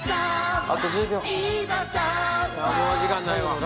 あと１０秒ああ